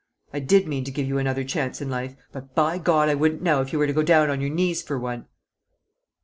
I did mean to give you another chance in life but by God I wouldn't now if you were to go down on your knees for one!"